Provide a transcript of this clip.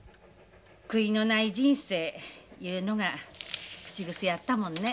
悔いのない人生いうのが口癖やったもんね。